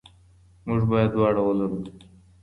موږ باید دواړه ولرو.